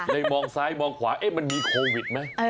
เลยมองซ้ายมองขวาเอ๊ะมันมีโควิดไหม